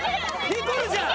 ニコルじゃん！